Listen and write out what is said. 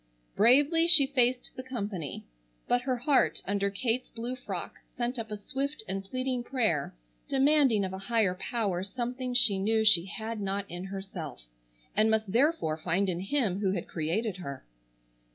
Bravely she faced the company, but her heart under Kate's blue frock sent up a swift and pleading prayer demanding of a higher Power something she knew she had not in herself, and must therefore find in Him who had created her.